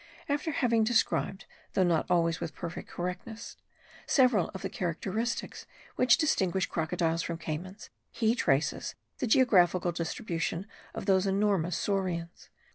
After having described, though not always with perfect correctness, several of the characteristics which distinguish crocodiles from caymans, he traces the geographical distribution of those enormous saurians.